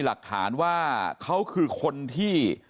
หลักฐานว่าเขาคือคนที่